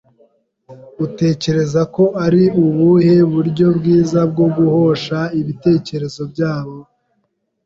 Utekereza ko ari ubuhe buryo bwiza bwo guhosha ibitekerezo byabo?